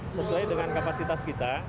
sesuai dengan kapasitas kita